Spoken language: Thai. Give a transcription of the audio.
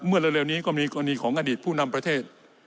เร็วนี้ก็มีกรณีของอดีตผู้นำประเทศ